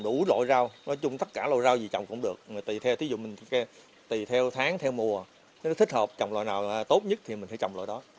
mua rau nói chung tất cả loại rau gì trồng cũng được tùy theo tháng theo mùa thích hợp trồng loại nào tốt nhất thì mình sẽ trồng loại đó